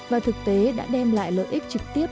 và thực tế đã đem lại lợi ích trực tiếp